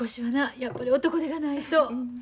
やっぱり男手がないと。